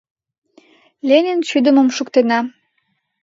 — Ленин шӱдымым шуктена!